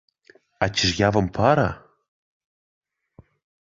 А ці ж я вам пара?